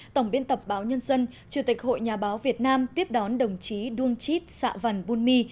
tổng biên tập báo nhân dân chủ tịch hội nhà báo việt nam tiếp đón đồng chí đương chít sạ văn bùn my